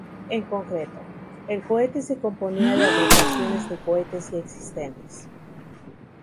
En concreto, el cohete se componía de agrupaciones de cohetes ya existentes.